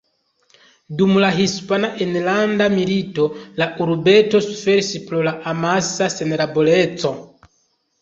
Dum la Hispana enlanda milito, la urbeto suferis pro la amasa senlaboreco.